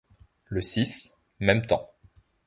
Le six, même temps.